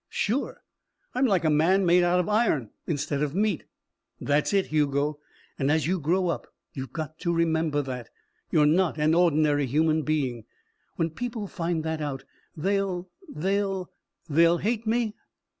"Sure. I'm like a man made out of iron instead of meat." "That's it, Hugo. And, as you grow up, you've got to remember that. You're not an ordinary human being. When people find that out, they'll they'll " "They'll hate me?"